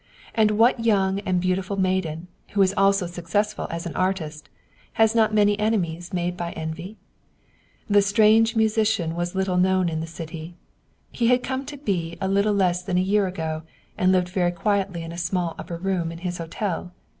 And what young and beautiful maiden, who is also successful as an artist, has not many enemies made by envy? The strange musician was little known in the city. He had come to B. a little less than a year ago, and lived very quietly in a small upper room in his hotel.